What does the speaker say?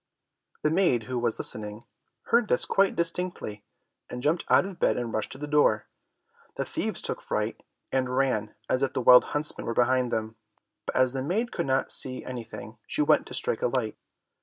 The maid who was listening, heard this quite distinctly, and jumped out of bed and rushed to the door. The thieves took flight, and ran as if the Wild Huntsman were behind them, but as the maid could not see anything, she went to strike a light.